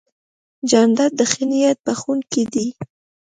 جانداد د ښه نیت بښونکی دی.